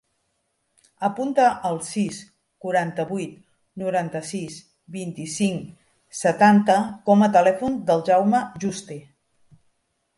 Apunta el sis, quaranta-vuit, noranta-sis, vint-i-cinc, setanta com a telèfon del Jaume Juste.